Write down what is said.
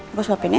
aku suapin ya